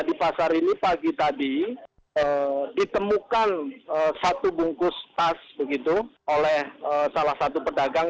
di pasar ini pagi tadi ditemukan satu bungkus tas begitu oleh salah satu pedagang